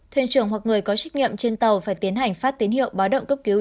thuyền trưởng hoặc người có trách nhiệm trên tàu phải tiến hành phát tín hiệu báo động cấp cứu